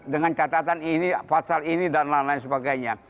dengan catatan ini pasal ini dan lain lain sebagainya